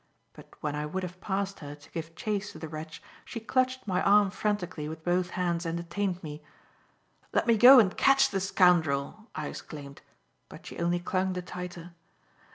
But when I would have passed her to give chase to the wretch, she clutched my arm frantically with both hands and detained me. "Let me go and catch the scoundrel!" I exclaimed; but she only clung the tighter.